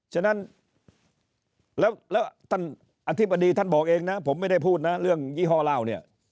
ฉะนั้นแล้วท่านอธิบดีท่านบอกเองนะผมไม่ได้พูดนะเรื่องยี่ห้อเล่าเนี่ย